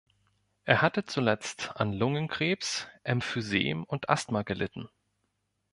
Er hatte zuletzt an Lungenkrebs, Emphysem und Asthma gelitten.